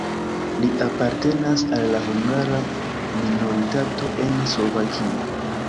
Li apartenas al la hungara minoritato en Slovakio.